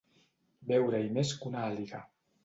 Veure-hi més que una àliga.